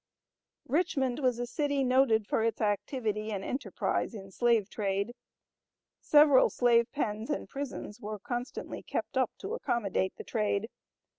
Richmond was a city noted for its activity and enterprise in slave trade. Several slave pens and prisons were constantly kept up to accommodate the trade.